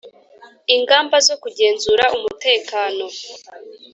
ingamba zo kugenzura umutekano